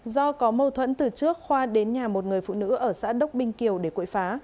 do có mâu thuẫn từ trước khoa đến nhà một người phụ nữ ở xã đốc binh kiều để cội phá